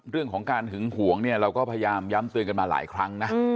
เรื่องของการหึงหวงเนี่ยเราก็พยายามย้ำเตือนกันมาหลายครั้งนะ